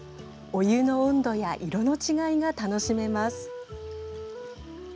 お湯の温度や色の違いが楽しめます。